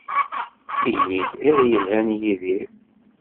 Ini-d iḍ yelhan a Yidir.